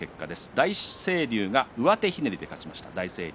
大成龍が上手ひねりで勝ちました。